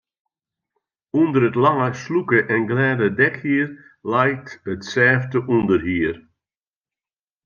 Under it lange, slûke en glêde dekhier leit it sêfte ûnderhier.